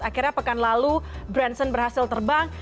akhirnya pekan lalu branson berhasil terbang